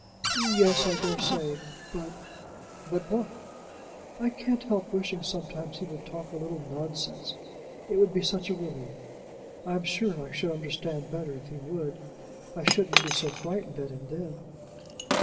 "Yes; I dare say; but " "But what?" "I can't help wishing sometimes he would talk a little nonsense. It would be such a relief. I am sure I should understand better if he would. I shouldn't be so frightened at him then."